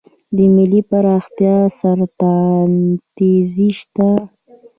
د ملي پراختیا ستراتیژي شته؟